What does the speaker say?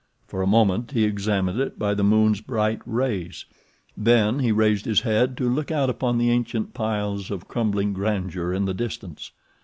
For a moment he examined it by the moon's bright rays, then he raised his head to look out upon the ancient piles of crumbling grandeur in the distance.